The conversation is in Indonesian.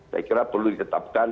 saya kira perlu ditetapkan